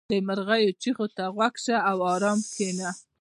• د مرغیو چغې ته غوږ شه او آرام کښېنه.